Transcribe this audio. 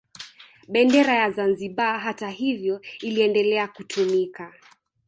Bendera ya Zanzibar hata hivyo iliendelea kutumika